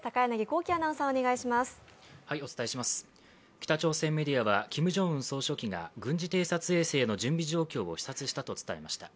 北朝鮮メディアはキム・ジョンウン総書記が軍事偵察衛星の準備状況を視察したと伝えました。